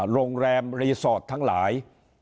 โรงแรมรีสอร์ททั้งหลาย